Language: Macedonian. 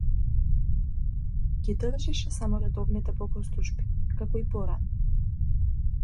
Ги држеше само редовните богослужби, како и порано.